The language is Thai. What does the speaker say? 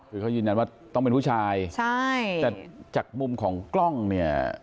คือเขายืนยันว่าต้องเป็นผู้ชายใช่แต่จากมุมของกล้องเนี่ย